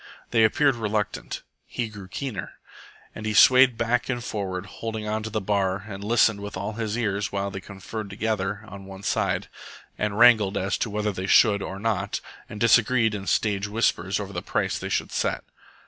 They appeared reluctant. He grew keener. And he swayed back and forward, holding on to the bar and listened with all his ears while they conferred together on one side, and wrangled as to whether they should or not, and disagreed in stage whispers over the price they should set.